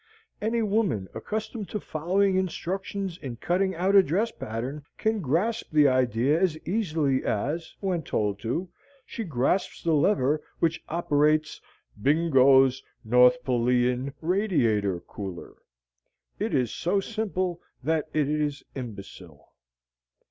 Any woman accustomed to following instructions in cutting out a dress pattern, can grasp the idea as easily as, when told to, she grasps the lever which operates BINGO'S NORTHPOLEAN RADIATOR COOLER. It is so simple that it is imbecile.